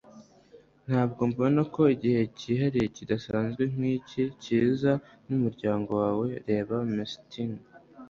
ntabwo mbona ko igihe cyihariye kidasanzwe nk'igihe cyiza n'umuryango wawe. - reba mcentire